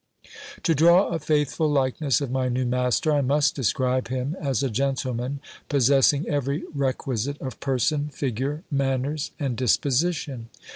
To draw a faithful likeness of my new master, I must describe him as a gen tleman possessing every requisite of person, figure, manners, and disposition.